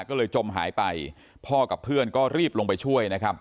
ก็เลยจมหายไปพ่อกับเพื่อนก็รีบลงไปช่วยนะครับ